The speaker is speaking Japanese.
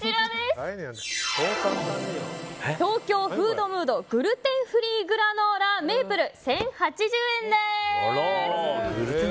東京、フードムードグルテンフリーグラノーラ１０８０円です。